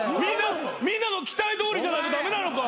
みんなの期待どおりじゃないと駄目なのか。